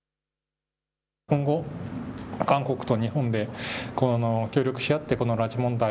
今後、韓国と日本で協力し合ってこの拉致問題